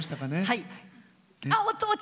はい。